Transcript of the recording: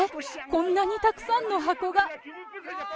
こんなにたくさんの箱が。